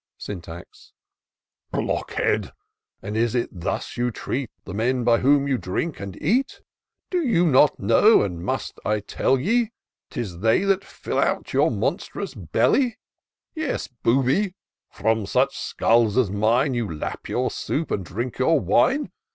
" Syntax. Blockhead! and is it thus you treat The men by whom you drink and eat ? Do you not know, and must I tell ye, 'Tis they fill out your monstrous belly ? Yes, booby ! from such skulls as mine You lap your soup, and drink your wine.